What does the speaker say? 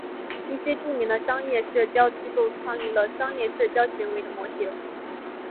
一些著名的商业社交机构创立了商业社交行为的模型。